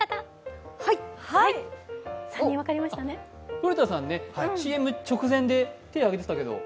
古田さんね、ＣＭ直前で手挙げてたけど？